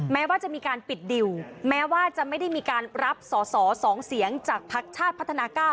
แม้ว่าจะมีการปิดดิวแม้ว่าจะไม่ได้มีการรับสอสอ๒เสียงจากภักดิ์ชาติพัฒนา๙